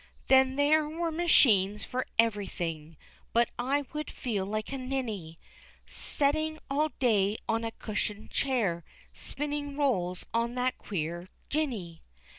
Then there were machines for everything, But I would feel like a ninny, Setting all day on a cushioned chair, Spinning rolls on that queer jinny.